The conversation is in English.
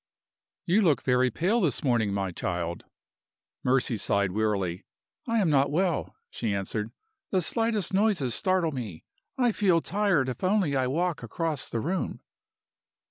"You look very pale this morning, my child." Mercy sighed wearily. "I am not well," she answered. "The slightest noises startle me. I feel tired if I only walk across the room."